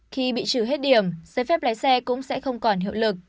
khi bị trừ hết điểm giấy phép lái xe cũng sẽ không còn hiệu lực